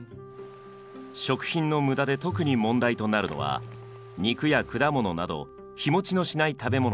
食品の無駄で特に問題となるのは肉や果物など日持ちのしない食べ物です。